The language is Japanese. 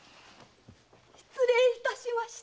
失礼いたしました！